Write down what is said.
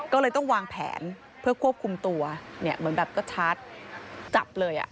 ก็เลยต้องวางแผนเพื่อควบคุมตัวเหมือนแบบก็ชาร์จจับเลย